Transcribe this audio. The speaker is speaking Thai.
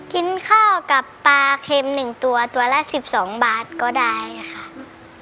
กินข้าวกับปลาเค็ม๑ตัวตัวละ๑๒บาทก็ได้ค่ะ